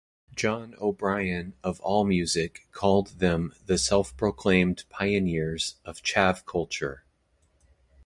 Jon O'Brien of AllMusic called them the Self-proclaimed pioneers of 'chav' culture.